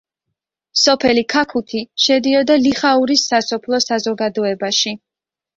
სოფელი ქაქუთი შედიოდა ლიხაურის სასოფლო საზოგადოებაში.